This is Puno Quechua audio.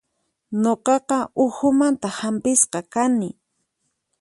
Nuqaqa uhumanta hampisqa kani.